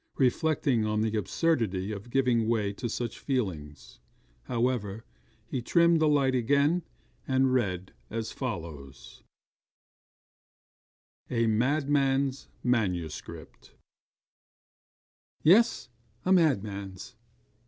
Reflecting on the absurdity of giving way to such feelings, however, he trimmed the light again, and read as follows: A MADMAN'S MANUSCRIPT 'Yes! a madman's!